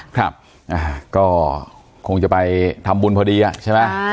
ครับอ่าก็คงจะไปทำบุญพอดีอ่ะใช่ไหม